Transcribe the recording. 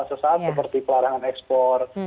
sesaat seperti pelarangan ekspor